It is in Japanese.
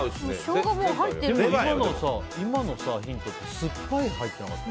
でも今のヒントって酸っぱい入ってなかった？